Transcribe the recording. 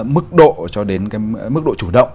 mức độ cho đến cái mức độ chủ động